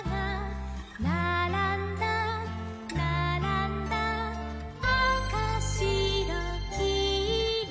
「ならんだならんだあかしろきいろ」